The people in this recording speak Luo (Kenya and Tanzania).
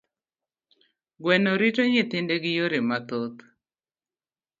Gweno rito nyithinde gi yore mathoth.